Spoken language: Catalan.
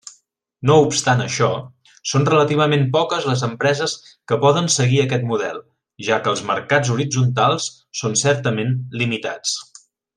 No obstant això, són relativament poques les empreses que poden seguir aquest model, ja que els mercats horitzontals són certament limitats.